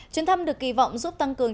chuyến thăm được kỳ vọng giúp tăng cường